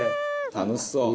「楽しそう」